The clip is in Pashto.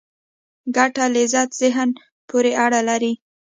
ګټه لذت ذهن پورې اړه لري.